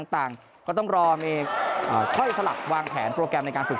ต่างก็ต้องรอมีค่อยสลักวางแผนโปรแกรมในการฝึก